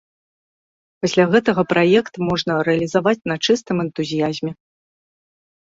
Пасля гэтага праект можна рэалізаваць на чыстым энтузіязме.